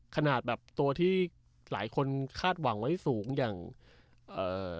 ขนาดแบบตัวที่หลายคนคาดหวังไว้สูงอย่างเอ่อ